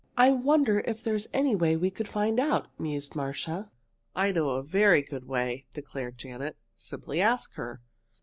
"I wonder if there is any way we could find out?" mused Marcia. "I know a very good way," declared Janet. "Simply ask her."